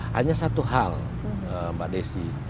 hanya satu hal mbak desi